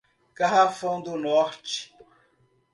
Garrafão do Norte